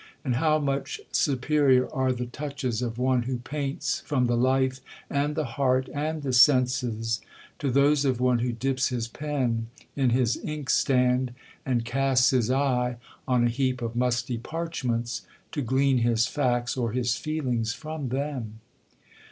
—and how much superior are the touches of one who paints from the life, and the heart, and the senses,—to those of one who dips his pen in his ink stand, and casts his eye on a heap of musty parchments, to glean his facts or his feelings from them!